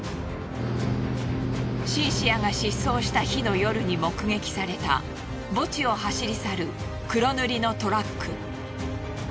シンシアが失踪した日の夜に目撃された墓地を走り去る黒塗りのトラック。